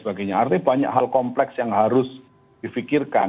artinya banyak hal kompleks yang harus difikirkan